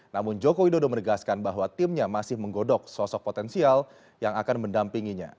namun joko widodo menegaskan bahwa timnya masih menggodok sosok potensial yang akan mendampinginya